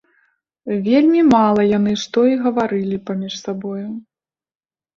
Вельмі мала яны што і гаварылі паміж сабою.